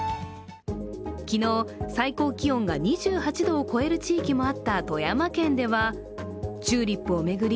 昨日、最高気温が２８度を超える地域もあった富山県ではチューリップを巡り